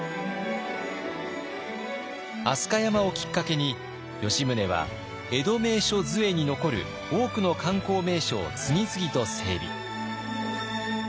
飛鳥山をきっかけに吉宗は「江戸名所図会」に残る多くの観光名所を次々と整備。